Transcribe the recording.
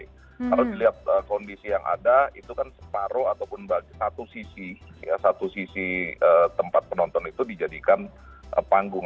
kalau dilihat kondisi yang ada itu kan separuh ataupun satu sisi satu sisi tempat penonton itu dijadikan panggung